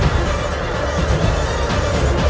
aku akan menang